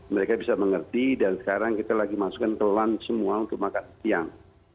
mereka bisa mengerti dan sekarang kita lagi masukkan kelan semua untuk makan siang